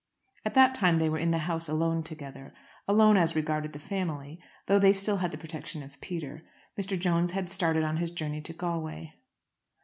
At that time they were in the house alone together, alone as regarded the family, though they still had the protection of Peter. Mr. Jones had started on his journey to Galway.